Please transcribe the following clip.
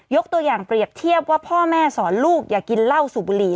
ตัวอย่างเปรียบเทียบว่าพ่อแม่สอนลูกอย่ากินเหล้าสูบบุหรี่